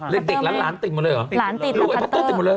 เล็กเด็กแล้วหลานติดหมดเลยเหรอลูกไอ้พันเตอร์ติดหมดเลย